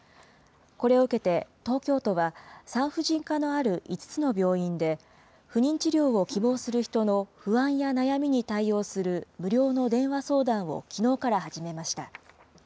これを受けて東京都は、産婦人科のある５つの病院で、不妊治療を希望する人の不安や悩みに対応する無料の電話相談をきのうから始めました。